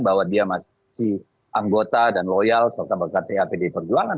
bahwa dia masih anggota dan loyal tkp di perjuangan